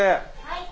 はい。